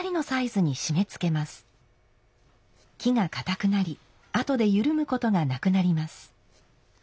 木がかたくなりあとで緩むことがなくなります。